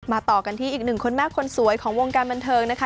ต่อกันที่อีกหนึ่งคนแม่คนสวยของวงการบันเทิงนะคะ